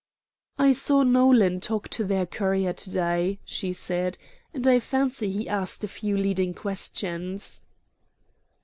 "I saw Nolan talking to their courier to day," she said, "and I fancy he asked a few leading questions."